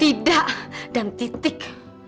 tidak dan titik